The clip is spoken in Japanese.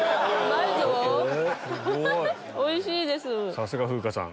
さすが風花さん。